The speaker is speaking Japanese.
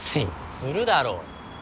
するだろ。